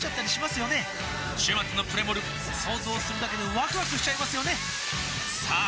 週末のプレモル想像するだけでワクワクしちゃいますよねさあ